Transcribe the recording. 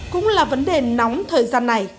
cũng là vấn đề nóng thời gian này